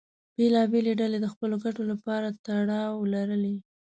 بېلابېلې ډلې د خپلو ګټو لپاره تړاو لرلې.